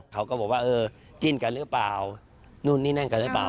เขาก็บอกว่าเออจิ้นกันหรือเปล่านู่นนี่นั่นกันหรือเปล่า